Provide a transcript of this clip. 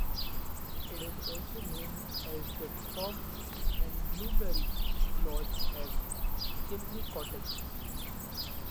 It is also known as The Loft and Blueberry Lodge at Chimney Cottage.